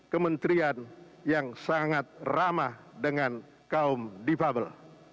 kementerian yang sangat ramah dengan kaum difabel